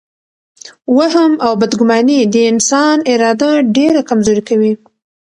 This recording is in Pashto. وهم او بدګماني د انسان اراده ډېره کمزورې کوي.